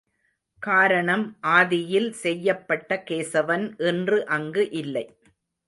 காரணம் ஆதியில் செய்யப்பட்ட கேசவன் இன்று அங்கு இல்லை.